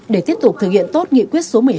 để tiếp tục thực hiện tốt nghị quyết số một mươi hai